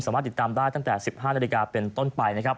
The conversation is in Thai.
ติดตามได้ตั้งแต่๑๕นาฬิกาเป็นต้นไปนะครับ